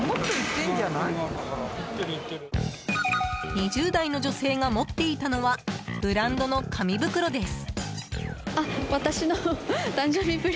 ２０代の女性が持っていたのはブランドの紙袋です。